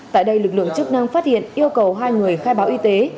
tại đây lực lượng chức năng phát hiện yêu cầu hai người khai báo y tế